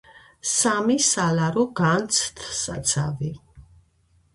სამი სალარო განძთსაცავი